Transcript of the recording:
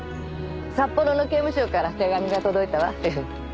札幌の刑務所から手紙が届いたわ。